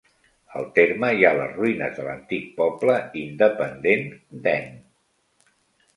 Al terme hi ha les ruïnes de l'antic poble independent d'En.